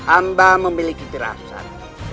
amba memiliki jelasan